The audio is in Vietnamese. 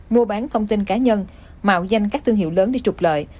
mua bán thông tin cá nhân mạo danh các thương hiệu lớn để trục lợi